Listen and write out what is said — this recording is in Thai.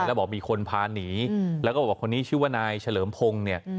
แล้วบอกมีคนพาหนีแล้วก็บอกว่าคนนี้ชื่อว่านายเฉลิมพงศ์เนี่ย